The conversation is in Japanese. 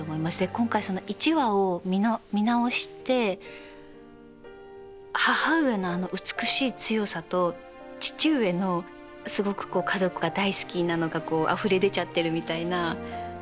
今回その１話を見直して母上のあの美しい強さと父上のすごくこう家族が大好きなのがあふれ出ちゃってるみたいな。